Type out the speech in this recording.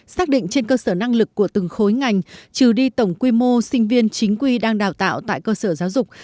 xác định trên cơ sở năng lực của từng khối ngành trừ đi tổng quy mô sinh viên chính quy đang đào tạo tại cơ sở giáo dục